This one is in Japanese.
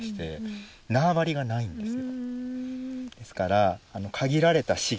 ですから。